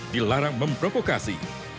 dua dilarang memprovokasi